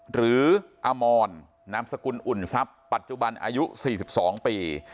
หรืออมรนามสกุลอุ่นทรัพย์ปัจจุบันอายุ๔๒ปี